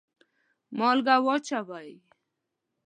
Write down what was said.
مالګه واچوئ